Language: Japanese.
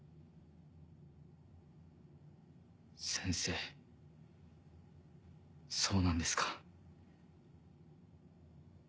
先生そうなんですか？